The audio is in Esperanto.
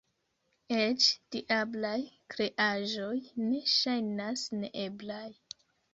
Eĉ diablaj kreaĵoj ne ŝajnas neeblaj.